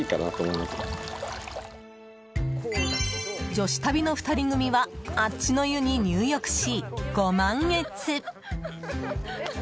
女子旅の２人組はあっちの湯に入浴し、ご満悦。